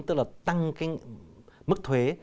tức là tăng cái mức thuế